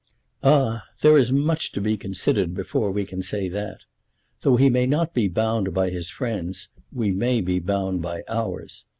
"Ah; there is much to be considered before we can say that. Though he may not be bound by his friends, we may be bound by ours.